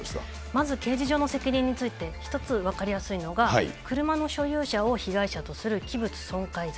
まず刑事上の責任について、１つ、分かりやすいのが、車の所有者を被害者とする器物損壊罪。